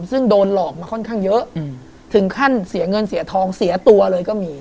ซึ่งโดนหลอกมาค่อนข้างเยอะถึงขั้นเสียเงินเสียทองเสียตัวเลยก็มี